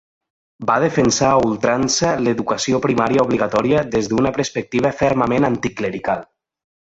Va defensar a ultrança l'educació primària obligatòria des d'una perspectiva fermament anticlerical.